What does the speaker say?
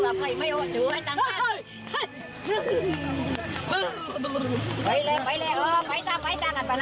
ล่าให้กินซึ่งอย่างนี้เจ็ดเว้ย